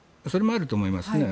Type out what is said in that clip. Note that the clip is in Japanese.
それもあると思います。